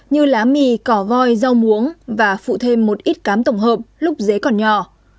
như lá mì cỏ voi rau muống và phụ thêm một ít cám tổng hợp lúc dế còn nhỏ